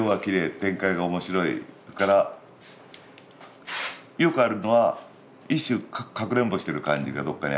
それからよくあるのは一種かくれんぼしてる感じがどっかにある。